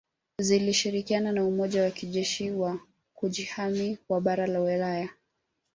Zilishirikiana na Umoja wa kijeshi wa Kujihami wa bara la Ulaya